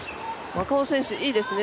赤穂選手、いいですね。